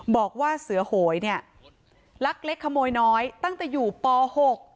บอกว่าเสือโหยเนี่ยลักเล็กขโมยน้อยตั้งแต่อยู่ป๖